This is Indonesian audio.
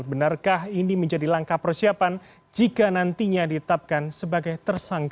benarkah ini menjadi langkah persiapan jika nantinya ditetapkan sebagai tersangka